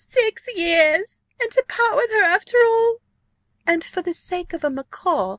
"Six years! And to part with her after all! " "And for the sake of a macaw!